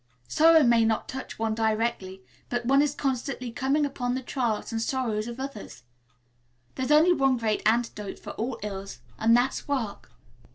Sorrow may not touch one directly, but one is constantly coming upon the trials and sorrows of others. There's only one great antidote for all ills, and that's work."